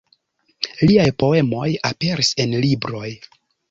Liaj poemoj aperis en libroj.